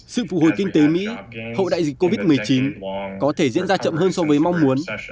sự phụ hồi kinh tế mỹ hậu đại dịch covid một mươi chín có thể diễn ra chậm hơn so với mong muốn